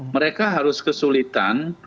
mereka harus kesulitan